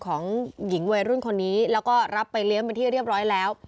ของหญิงวัยรุ่นคนนี้แล้วก็รับไปเลี้ยงเป็นที่เรียบร้อยแล้ว